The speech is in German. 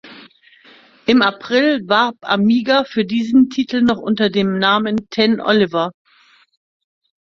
Im April warb Amiga für diesen Titel noch unter dem Namen Ten Oliver.